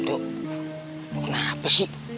duh kenapa sih